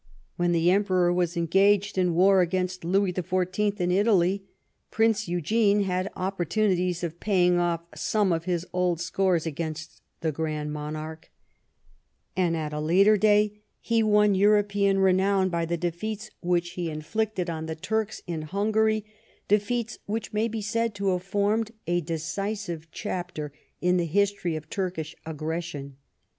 When the Emperor was engaged in war against Louis the Fourteenth in Italy, Prince Eugene had opportunities of paying off some of his old scores against the Grand Monarch, and at a later 106 ''THE CAMPAIGN'*— BLENHEIM day he won European renown by the defeats which he inflicted on the Turks in Hungary, defeats which may be said to have formed a decisive chapter in the his tory of Turkish aggression.